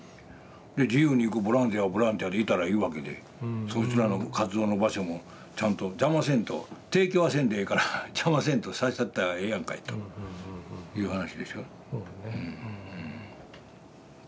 自由にこうボランティアはボランティアでいたらいいわけでそいつらの活動の場所もちゃんと邪魔せんと提供はせんでええから邪魔せんとさせたったらええやんかいという話でしょ。